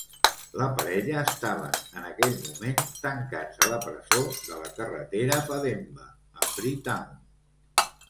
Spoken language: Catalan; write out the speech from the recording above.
La parella estaven, en aquell moment, tancats a la presó de la carretera Pademba, a Freetown.